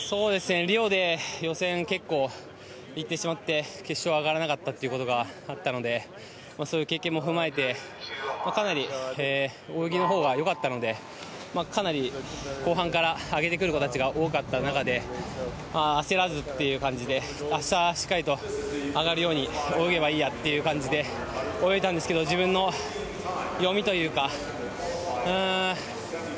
リオで予選結構いってしまって決勝上がらなかったということがあったのでそういう経験も踏まえてかなり泳ぎのほうは良かったのでかなり後半から上げてくる形が多かった中で焦らずという感じで明日、しっかりと上がるように泳げばいいやって感じで泳いでたんですけど自分の読みというか。